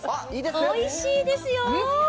おいしいですよ。